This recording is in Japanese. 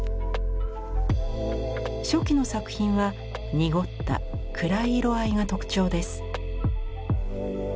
初期の作品は濁った暗い色合いが特徴です。